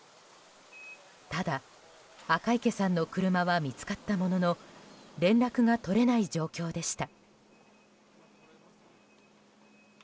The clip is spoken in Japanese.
ただ、赤池さんの車は見つかったものの連絡が取れない状況でした。